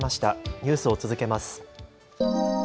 ニュースを続けます。